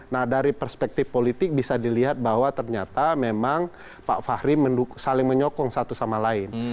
nah dari perspektif politik bisa dilihat bahwa ternyata memang pak fahri saling menyokong satu sama lain